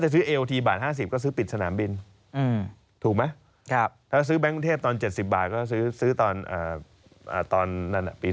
หรือถ้าซื้อ๒๐บาทนู้นแม่งกรุงเทพฯคุณซื้อนู้นเลยตอนปี๙๗